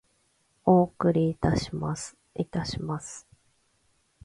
お送りいたします。いたします。